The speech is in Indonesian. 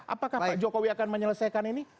apakah pak jokowi akan menyelesaikan ini